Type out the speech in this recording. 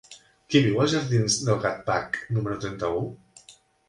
Qui viu als jardins del Gatcpac número trenta-u?